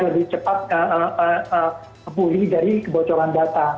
jadi cepat bully dari kebocoran data